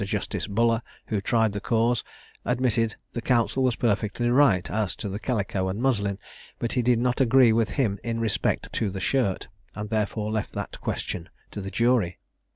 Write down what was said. Justice Buller, who tried the cause, admitted the counsel was perfectly right as to the calico and muslin; but he did not agree with him in respect to the shirt, and therefore left that question to the jury.